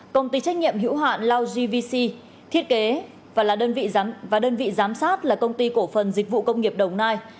công ty trách nhiệm hữu hạn lao gvc thiết kế và đơn vị giám sát là công ty cổ phần dịch vụ công nghiệp đồng nai